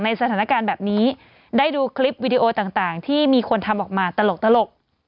สถานการณ์แบบนี้ได้ดูคลิปวิดีโอต่างที่มีคนทำออกมาตลก